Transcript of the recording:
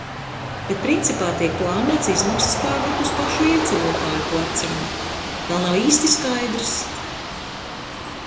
Bet principā tiek plānots izmaksas pārlikt uz pašu ieceļotāju pleciem. Vēl nav īsti skaidrs.